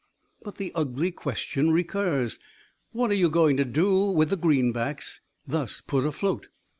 But the ugly question recurs, what are you going to do with the greenbacks thus put afloat?